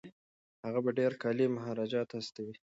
هغه به ډیر کالي مهاراجا ته واستوي.